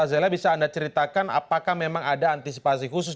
azale bisa anda ceritakan apakah memang ada antisipasi khusus